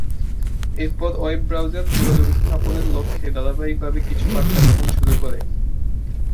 এরপর web browser যোগাযোগ স্থাপনের লক্ষ্যে ধারাবাহিকভাবে কিছু বার্তা প্রদান শুরু করে।